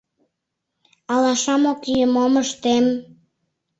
Алашам ок йӱ, мом ыштем?